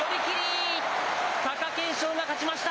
貴景勝が勝ちました。